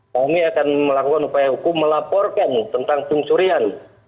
kami akan melakukan upaya hukum melaporkan tentang pencurian